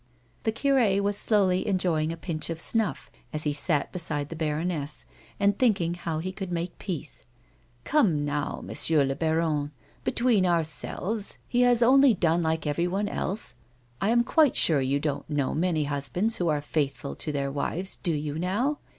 The cure was slowly enjoying a pinch of snuff as he sat beside the baroness, and thinking how he could make peace. " Come now, M. le baron, between ourselves he has only done like everyone else. I am quite sure you don't know many husbands who are faithful to their wives, do you now?"